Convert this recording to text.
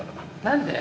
何で？